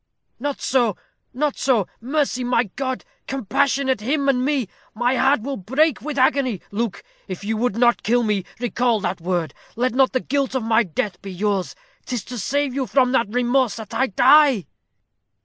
"Not so not so. Mercy! my God! compassionate him and me! My heart will break with agony. Luke, if you would not kill me, recall that word. Let not the guilt of my death be yours. 'Tis to save you from that remorse that I die!"